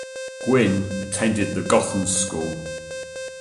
Gwynne attended the Groton School.